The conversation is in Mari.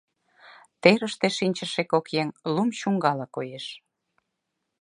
Терыште шинчыше кок еҥ лум чуҥгала коеш.